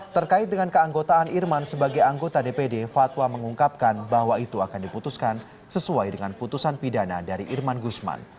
terkait dengan keanggotaan irman sebagai anggota dpd fatwa mengungkapkan bahwa itu akan diputuskan sesuai dengan putusan pidana dari irman gusman